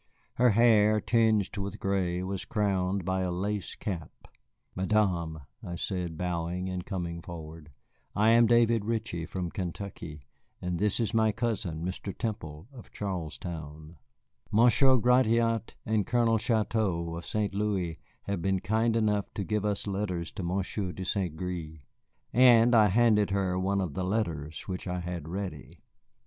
Her hair, tinged with gray, was crowned by a lace cap. "Madame," I said, bowing and coming forward, "I am David Ritchie, from Kentucky, and this is my cousin, Mr. Temple, of Charlestown. Monsieur Gratiot and Colonel Chouteau, of St. Louis, have been kind enough to give us letters to Monsieur de Saint Gré." And I handed her one of the letters which I had ready.